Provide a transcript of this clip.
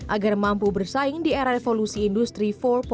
agar mampu bersaing di era revolusi industri empat